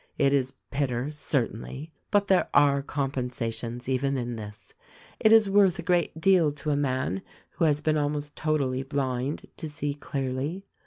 It is bitter, certainly ! But there are compensations even in this ; it is worth a great deal to a man who has been almost totally blind to see clearly.